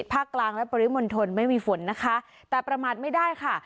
ภาคกลางและปริมณฑลไม่มีฝนนะคะแต่ประมาทไม่ได้ค่ะ